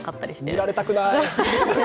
見られたくない。